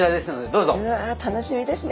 うわ楽しみですね。